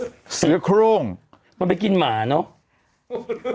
เสือโครงมันไปกินหมาเนอะ